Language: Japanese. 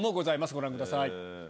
ご覧ください。